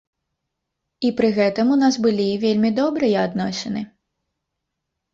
І пры гэтым у нас былі вельмі добрыя адносіны.